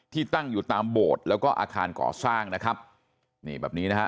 ตั้งอยู่ตามโบสถ์แล้วก็อาคารก่อสร้างนะครับนี่แบบนี้นะฮะ